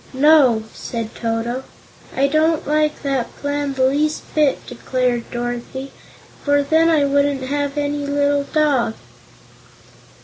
"No," said Toto. "I don't like that plan the least bit," declared Dorothy, "for then I wouldn't have any little dog."